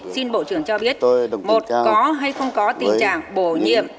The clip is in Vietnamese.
xin bộ trưởng cho biết một có hay không có tình trạng bổ nhiệm